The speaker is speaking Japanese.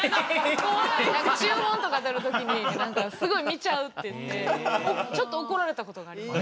注文とか取る時にすごい見ちゃうっていってちょっと怒られたことがあります。